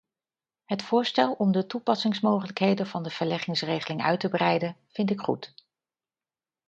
Het voorstel om de toepassingsmogelijkheden van de verleggingsregeling uit te breiden, vind ik goed.